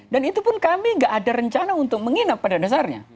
dan itu pun kami tidak ada rencana untuk menginap pada dasarnya